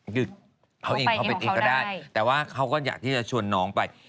หยุดเขาเองเขาไปตีก็ได้แต่ว่าเขาก็อยากที่จะชวนน้องไป